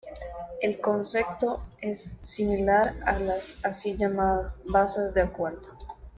El concepto es similar a las así llamadas "Bases de Acuerdo".